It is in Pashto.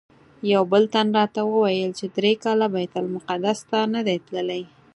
یو بل تن راته ویل چې درې کاله بیت المقدس ته نه دی تللی.